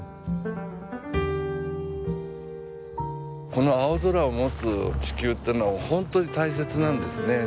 この青空を持つ地球ってのは本当に大切なんですね。